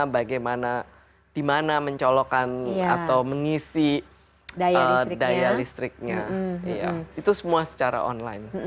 bagaimana di mana mencolokkan atau mengisi daya listriknya itu semua secara online